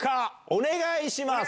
お願いします。